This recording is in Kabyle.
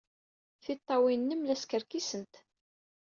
Tiṭṭawin-nnem la skerkisent.